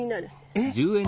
えっ？